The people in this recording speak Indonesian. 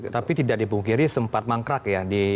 tapi tidak dipungkiri sempat mangkrak ya